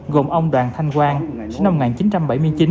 gồm ông đoàn thanh quang sinh năm một nghìn chín trăm bảy mươi chín